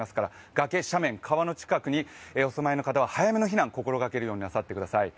崖、斜面、川の近くにお住まいの方は早めの避難を心がけるようにしてください。